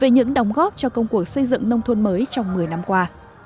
những đồng góp cho công cuộc xây dựng nông thôn mới trong một mươi năm qua